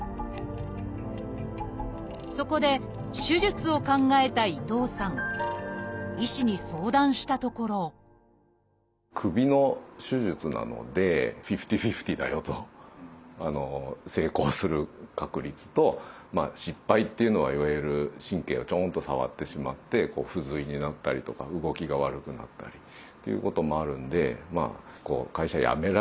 そこで手術を考えた伊藤さん医師に相談したところ成功する確率と失敗っていうのはいわゆる神経をちょんと触ってしまって不随になったりとか動きが悪くなったりっていうこともあるんで。